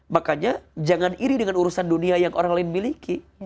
makanya jangan iri dengan urusan dunia yang orang lain miliki